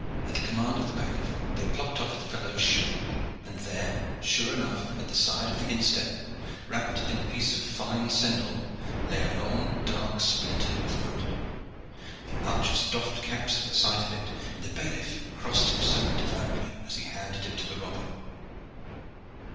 At the command of the bailiff they plucked off the fellow's shoe, and there sure enough at the side of the instep, wrapped in a piece of fine sendall, lay a long, dark splinter of wood. The archers doffed caps at the sight of it, and the bailiff crossed himself devoutly as he handed it to the robber.